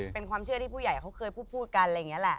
เป็นความเชื่อที่ผู้ใหญ่เขาเคยพูดกันอะไรอย่างนี้แหละ